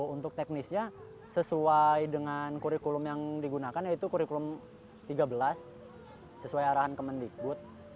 untuk teknisnya sesuai dengan kurikulum yang digunakan yaitu kurikulum tiga belas sesuai arahan kemendikbud